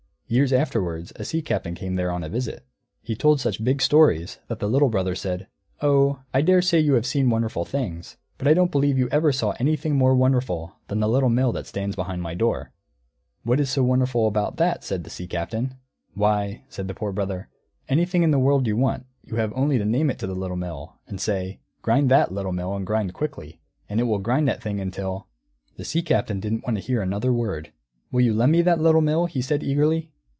Years afterwards a Sea Captain came there on a visit. He told such big stories that the Poor Brother said, "Oh, I daresay you have seen wonderful things, but I don't believe you ever saw anything more wonderful than the Little Mill that stands behind my door." "What is wonderful about that?" said the Sea Captain. "Why," said the Poor Brother, "anything in the world you want, you have only to name it to the Little Mill and say, 'Grind that, Little Mill, and grind quickly,' and it will grind that thing until " The Sea Captain didn't wait to hear another word. "Will you lend me that Little Mill?" he said eagerly.